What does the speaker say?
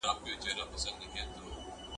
دریځ د اسالم له نګاه نه هغه رکن دی